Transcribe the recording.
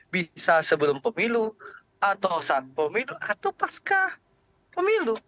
bisa sebelum pemilu atau saat pemilu atau pasca pemilu